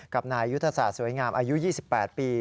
กับนายยุทธศาสตสวยงามอายุ๒๘ปี